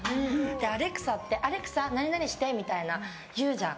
アレクサってアレクサ、何々してって言うじゃん。